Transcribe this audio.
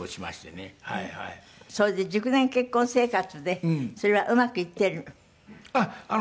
それで熟年結婚生活でそれはうまくいっているの？